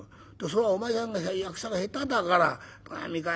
それをお前さんが役者が下手だからとか。